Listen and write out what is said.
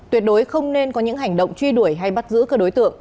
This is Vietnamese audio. tuyệt đối không nên có những hành động truy đuổi hay bắt giữ các đối tượng